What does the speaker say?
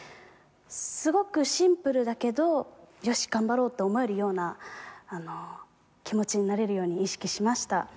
すごくシンプルだけどよし頑張ろうと思えるような気持ちになれるように意識しました。